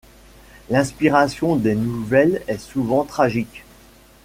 L'inspiration des nouvelles est souvent tragique.